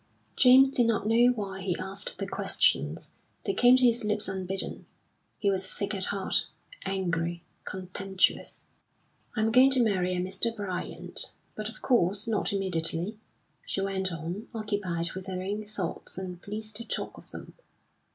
James did not know why he asked the questions; they came to his lips unbidden. He was sick at heart, angry, contemptuous. "I'm going to marry a Mr. Bryant but, of course, not immediately," she went on, occupied with her own thoughts, and pleased to talk of them.